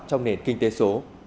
trong nền kinh tế số